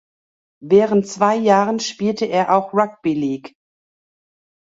Während zwei Jahren spielte er auch Rugby League.